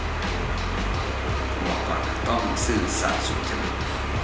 ผมบอกก่อนนะต้องสื่อสารสูญจริง